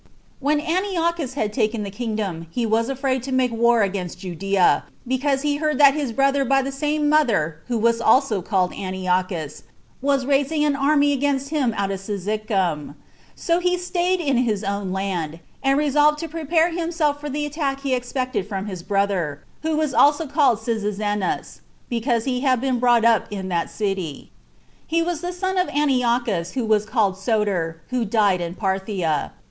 1. When Antiochus had taken the kingdom, he was afraid to make war against Judea, because he heard that his brother by the same mother, who was also called Antiochus, was raising an army against him out of Cyzicum; so he staid in his own land, and resolved to prepare himself for the attack he expected from his brother, who was called Cyzicenus, because he had been brought up in that city. He was the son of Antiochus that was called Soter, who died in Parthia.